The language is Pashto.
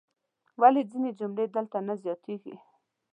ولې ځینې جملې دلته نه زیاتیږي؟